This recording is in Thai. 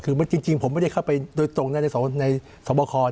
คือจริงผมไม่ได้เข้าไปโดยตรงนะในสวบค